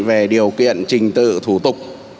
về điều kiện trình tự thủ tục